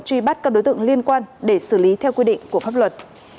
truy bắt các đối tượng liên quan để xử lý theo quy định của pháp luật